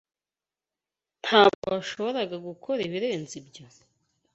Ntabwo washoboraga gukora ibirenze ibyo. ?